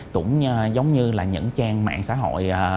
cũng giống như là những trang mạng xã hội